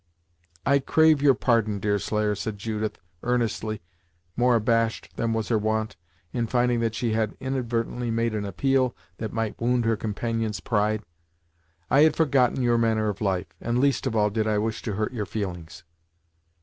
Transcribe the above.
"I crave your pardon, Deerslayer," said Judith, earnestly, more abashed than was her wont, in finding that she had in advertently made an appeal that might wound her compan ion's pride. "I had forgotten your manner of life, and least of all did I wish to hurt your feelings."